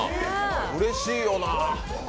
うれしいよな。